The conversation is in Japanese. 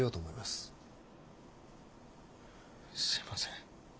すみません。